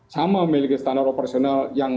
sama memiliki standar operasional